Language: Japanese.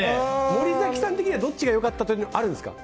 森崎さん的にはどっちが良かったとかあるんですか？